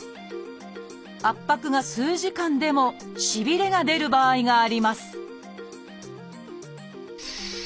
圧迫が数時間でもしびれが出る場合があります